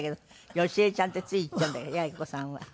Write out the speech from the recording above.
「好重ちゃん」ってつい言っちゃうんだけど八重子さんは。